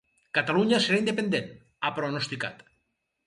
“Catalunya serà independent”, ha pronosticat.